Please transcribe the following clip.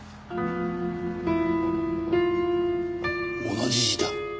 同じ字だ！